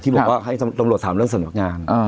บอกว่าให้ตำรวจถามเรื่องสำนักงาน